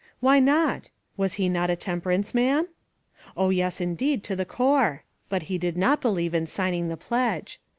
Why not? Was he not a temperance man ? Oh, yes, indeed, to the core. But he did not believe in signing the pledge.